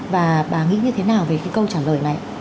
và bà nghĩ như thế nào về cái câu trả lời này